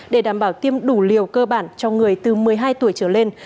để đảm bảo tiêm đủ liều cơ bản cho người từ một mươi hai tuổi trở lên